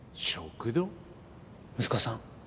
息子さん